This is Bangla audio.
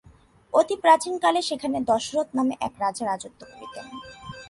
অতি প্রাচীন কালে সেখানে দশরথ নামে এক রাজা রাজত্ব করিতেন।